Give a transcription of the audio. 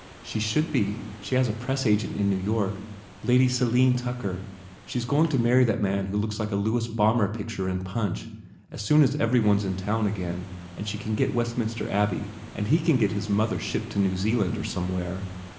"She should be. She has a press agent in New York. Lady Selene Tucker. She s going to marry that man who looks like a Lewis Bau mer picture in Punch as soon as every one s in town again and she can get Westminster Abbey and he can get his mother shipped to New Zea land, or somewhere.